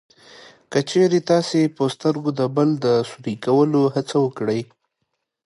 که چېرې تاسې په سترګو د بل د سوري کولو هڅه وکړئ